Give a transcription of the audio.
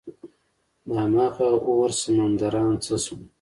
دهمغه اور سمندران څه شول؟